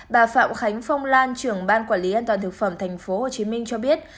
bà phạm khánh phong lan trưởng ban quản lý an toàn thực phẩm tp hcm cho biết